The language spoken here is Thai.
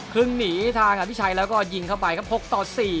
หนีทางอภิชัยแล้วก็ยิงเข้าไปครับ๖ต่อ๔